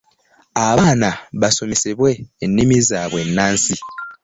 Abaana basomesebwe nnimi zaabwe ennansi